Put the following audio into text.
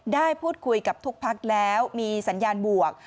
ได้พูดคุยกับทุกพักแล้วมีสัญญาณบวก